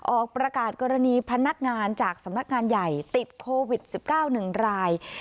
ออกประกาศกรณีพนักงานจากสำนักงานใหญ่ติดโควิด๑๙๑ราย